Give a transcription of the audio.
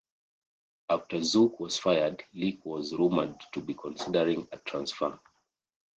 After Zook was fired, Leak was rumored to be considering a transfer.